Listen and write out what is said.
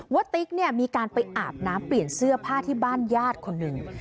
ติ๊กเนี่ยมีการไปอาบน้ำเปลี่ยนเสื้อผ้าที่บ้านญาติคนหนึ่ง